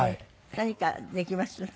何かできます？